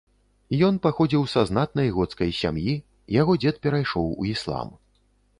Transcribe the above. Ён паходзіў са знатнай гоцкай сям'і, яго дзед перайшоў у іслам.